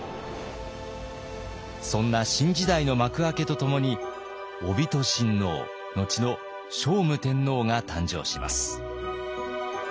そんな新時代の幕開けとともに首親王のちの聖武天皇が誕生します。